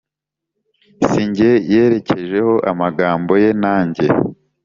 Si jye yerekejeho amagambo ye nanjye